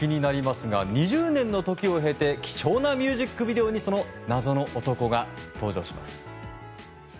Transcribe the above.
２０年の時を経て貴重なミュージックビデオにその謎の男が登場します。